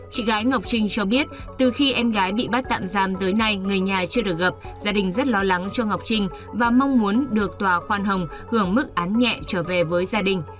chị gái ngọc trinh cho biết từ khi em gái bị bắt tạm giam tới nay người nhà chưa được gặp gia đình rất lo lắng cho ngọc trinh và mong muốn được tòa khoan hồng hưởng mức án nhẹ trở về với gia đình